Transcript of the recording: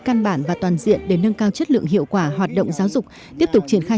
căn bản và toàn diện để nâng cao chất lượng hiệu quả hoạt động giáo dục tiếp tục triển khai